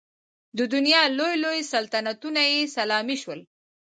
د دنیا لوی لوی سلطنتونه یې سلامي شول.